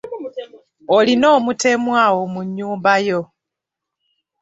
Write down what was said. Olina omutemu awo mu nnyumba yo.